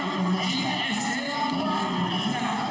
kalau saya yakin